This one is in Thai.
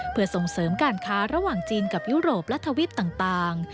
เพื่อส่งเสริมการค้าระหว่างจีนกับยุโรปและทวิปต่าง